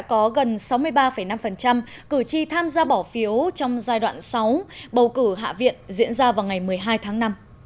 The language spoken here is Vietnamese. có gần sáu mươi ba năm cử tri tham gia bỏ phiếu trong giai đoạn sáu bầu cử hạ viện diễn ra vào ngày một mươi hai tháng năm